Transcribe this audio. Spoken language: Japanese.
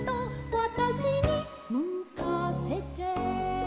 「わたしにむかせて」